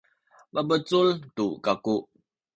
mabecul tu kaku.